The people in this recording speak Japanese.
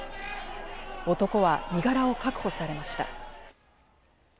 男は身柄を確保されました。